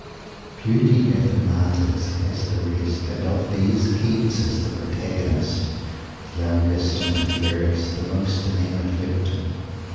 Beauty hath her Martyrs, as the rest; and of these Keats is the Protagonist; the youngest and the fairest; the most enamoured victim.